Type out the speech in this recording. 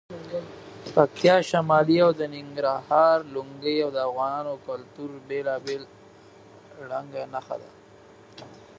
د پکتیا شملې او د ننګرهار لنګۍ د افغاني کلتور بېلابېل رنګونه ښیي.